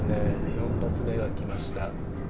４発目が来ました。